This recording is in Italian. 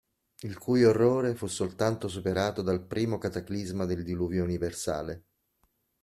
Il cui orrore fu soltanto superato dal primo cataclisma del diluvio universale.